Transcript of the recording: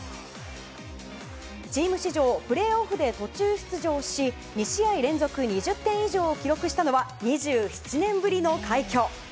チーム史上プレーオフで途中出場し２試合連続２０点以上を記録したのは２７年ぶりの快挙。